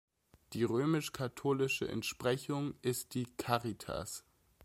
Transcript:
Die römisch-katholische Entsprechung ist die "Caritas".